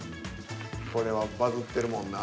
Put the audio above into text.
これはバズってるもんな。